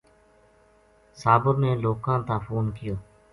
صابر نے لوکاں تا فون کیو